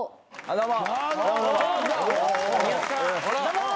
どうも！